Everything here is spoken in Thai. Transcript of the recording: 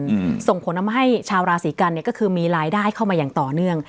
อืมส่งผลทำให้ชาวราศีกันเนี้ยก็คือมีรายได้เข้ามาอย่างต่อเนื่อง